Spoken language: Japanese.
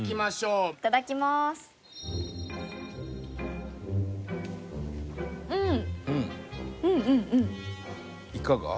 うん。